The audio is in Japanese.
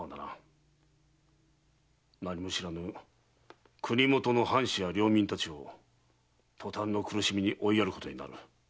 何も知らぬ国もとの藩士や領民たちを塗炭の苦しみに追いやることになる。